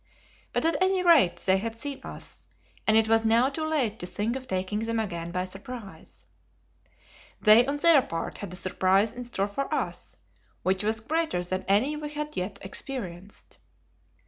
But at any rate they had seen us, and it was now too late to think of taking them again by surprise. They on their part had a surprise in store for us, which was greater than any we had yet experienced.